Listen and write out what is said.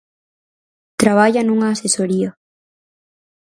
Traballa nunha asesoría.